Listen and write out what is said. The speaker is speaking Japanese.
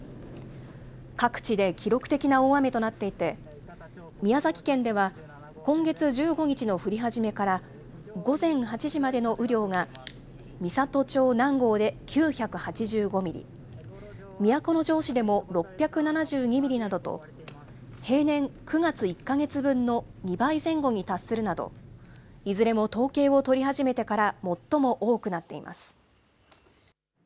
各地で記録的な大雨となっていて、宮崎県では今月１５日の降り始めから、午前８時までの雨量が美郷町南郷で９８５ミリ、都城市でも６７２ミリなどと、平年９月１か月分の２倍前後に達するなど、いずれも統計を取り始めてから最も多くなっています。